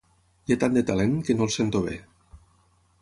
Hi ha tant de talent que no el sento bé.